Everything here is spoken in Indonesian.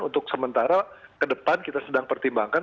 untuk sementara ke depan kita sedang pertimbangkan